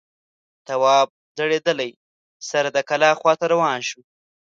تواب ځړېدلی سر د کلا خواته روان شو.